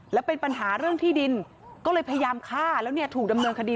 แล้วเป็นปัญหาเรื่องที่ดินก็เลยพยายามฆ่าแล้วเนี่ยถูกดำเนินคดี